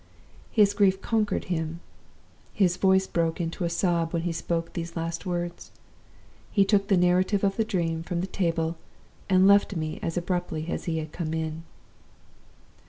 "His grief conquered him; his voice broke into a sob when he spoke those last words. He took the Narrative of the Dream from the table, and left me as abruptly as he had come in.